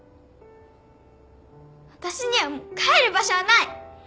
私にはもう帰る場所はない！